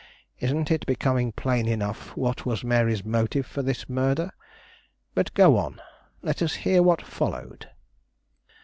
Isn't it becoming plain enough what was Mary's motive for this murder? But go on; let us hear what followed."